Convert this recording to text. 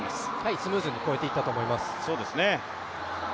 スムーズに越えていったと思います。